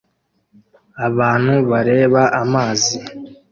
Abantu bareba amazi